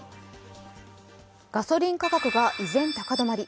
ガソリン価格が依然高止まり。